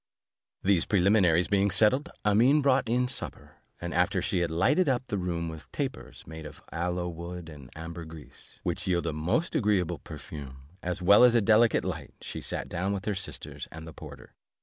These preliminaries being settled, Amene brought in supper, and after she had lighted up the room with tapers, made of aloe wood and ambergris, which yield a most agreeable perfume, as well as a delicate light, she sat down with her sisters and the porter.